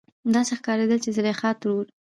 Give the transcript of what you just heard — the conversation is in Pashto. داسې ښکارېدل چې زليخا ترور